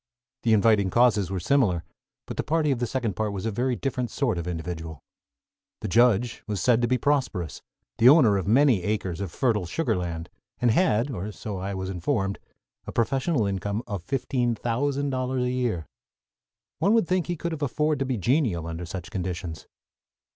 The inviting causes were similar; but the party of the second part was a very different sort of individual. The judge was said to be prosperous, the owner of many acres of fertile sugar land, and had, or so I was informed, a professional income of fifteen thousand dollars a year. One would think he could have afforded to be genial under such conditions.